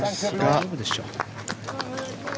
大丈夫でしょう。